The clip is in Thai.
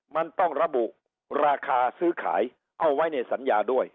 มันต้องระบุราคาซื้อขายเอาไว้ในสัญญาด้วย